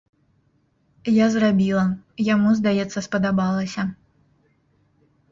Я зрабіла, яму, здаецца, спадабалася.